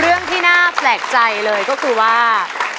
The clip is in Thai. เรื่องที่น่าแปลกใจเลยก็คือว่า